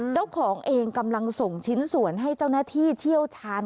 เจ้าของเองกำลังส่งชิ้นส่วนให้เจ้าหน้าที่เชี่ยวชาญ